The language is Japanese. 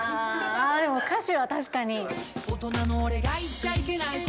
ああ、でも歌詞は確かに。